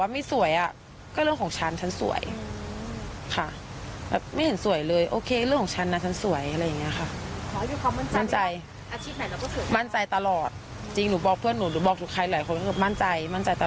ไม่เจอแต่สวย